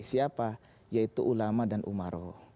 siapa yaitu ulama dan umaro